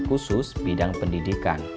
khusus bidang pendidikan